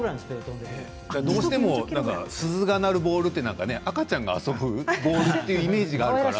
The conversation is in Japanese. どうしても鈴が鳴るボールって赤ちゃんが遊ぶボールっていうイメージがあるから。